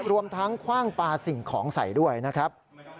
รวมทั้งคว่างปลาสิ่งของใส่ด้วยนะครับ